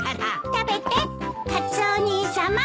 食べてカツオお兄さま。